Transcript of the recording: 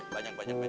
banyak banyak banyak